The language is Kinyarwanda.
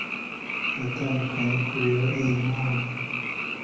haratandukanye kubera iyo mpamvu